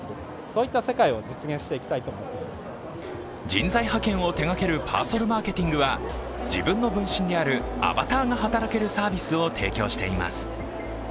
人材派遣を手がけるパーソルマーケティングは自分の分身であるアバターが働けるサービスを提供しています。